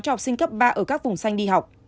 cho học sinh cấp ba ở các vùng xanh đi học